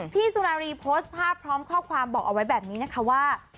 สุนารีโพสต์ภาพพร้อมข้อความบอกเอาไว้แบบนี้นะคะว่า